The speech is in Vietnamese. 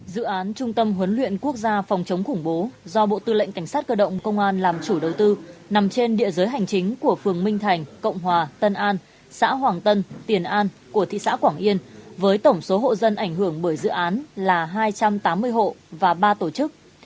dự án trung tâm huấn luyện quốc gia phòng chống khủng bố do bộ tư lệnh cảnh sát cơ động công an làm chủ đầu tư nằm trên địa giới hành chính của phường minh thành cộng hòa tân an xã hoàng tân tiền an của thị xã quảng yên với tổng số hộ dân ảnh hưởng bởi dự án là hai trăm tám mươi hộ và ba tổ chức